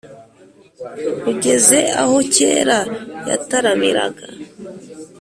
Ugeze aho kera yataramiraga